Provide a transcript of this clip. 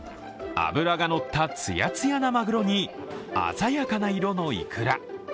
脂がのったつやつやなマグロに鮮やかな色のいくら。